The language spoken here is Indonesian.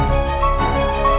kita bel permetas jakoneyit